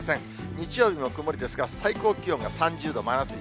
日曜日も曇りですが、最高気温が３０度、真夏日。